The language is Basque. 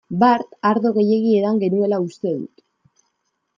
Bart ardo gehiegi edan genuela uste dut.